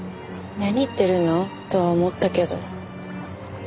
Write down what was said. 何言ってるの？とは思ったけど。